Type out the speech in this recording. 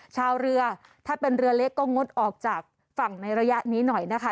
ชาวเรือถ้าเป็นเรือเล็กก็งดออกจากฝั่งในระยะนี้หน่อยนะคะ